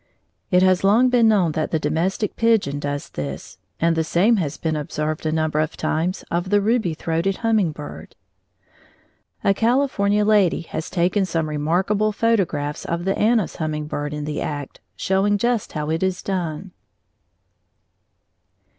It has long been known that the domestic pigeon does this, and the same has been observed a number of times of the ruby throated hummingbird. A California lady has taken some remarkable photographs of the Anna's hummingbird in the act, showing just how it is done.